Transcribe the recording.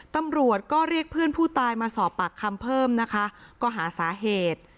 ตำรวจก็เรียกเพื่อนผู้ตายมาสอบปากคำเพิ่มนะคะก็หาสาเหตุ